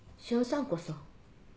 俊さんこそ？